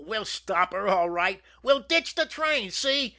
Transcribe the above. We'll stop her, all right! We ditch the train see?